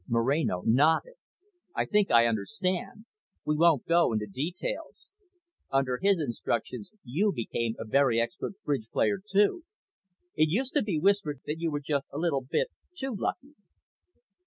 Moreno nodded. "I think I understand. We won't go into details. Under his instructions, you became a very expert bridge player too. It used to be whispered that you were just a little bit too lucky."